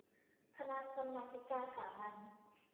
คณะกรรมาธิการสามัญ